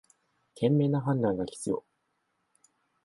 賢明な判断が必要